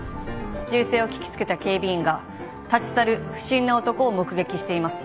銃声を聞き付けた警備員が立ち去る不審な男を目撃しています。